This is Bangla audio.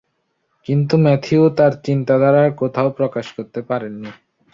কিন্তু ম্যাথিউ তার চিন্তাধারা কোথাও প্রকাশ করতে পারেননি।